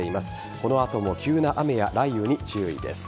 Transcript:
この後も急な雨や雷雨に注意です。